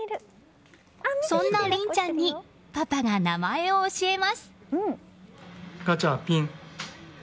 そんな凛ちゃんにパパが名前を教えます。